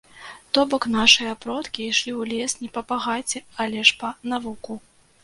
То бок нашыя продкі ішлі ў лес не па багацце, але ж па навуку.